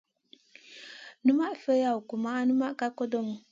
Numaʼ fi lawn kumaʼa numa ka kodomu.